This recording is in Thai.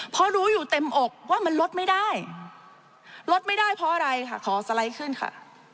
เพราะรู้อยู่เต็มอกว่ามันลดไม่ได้ลดไม่ได้เพราะอะไรค่ะขอสไลด์ขึ้นค่ะ